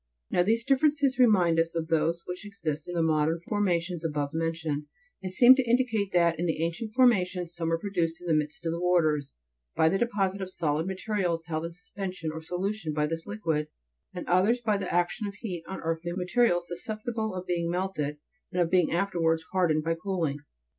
Now, these differences remind us of those which exist in the modern formations above mentioned, and seem to indicate that, in the ancient formations, some were produced in the midst of the waters by the deposit of solid materials held in suspension or in solution by this liquid, and others by the action of heat on earthy materials susceptible of being melted, and of being afterwards hardened by cooling.